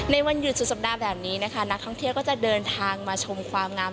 วันหยุดสุดสัปดาห์แบบนี้นะคะนักท่องเที่ยวก็จะเดินทางมาชมความงาม